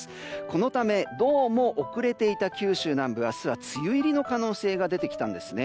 このため、どうも遅れていた九州南部、明日は梅雨入りの可能性が出てきたんです。